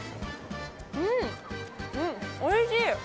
うん、おいしい。